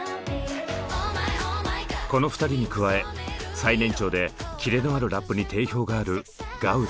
この２人に加え最年長でキレのあるラップに定評があるガウル。